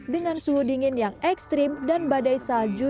dengan suhu dingin yang ekstrim dan badai salju